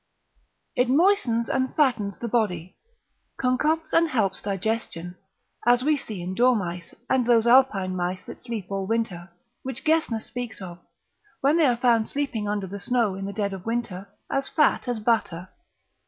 It moistens and fattens the body, concocts, and helps digestion (as we see in dormice, and those Alpine mice that sleep all winter), which Gesner speaks of, when they are so found sleeping under the snow in the dead of winter, as fat as butter.